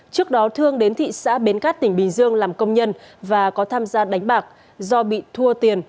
trước đó thương đến thị xã bến cát tỉnh bình dương làm công nhân và có tham gia đánh bạc do bị thua tiền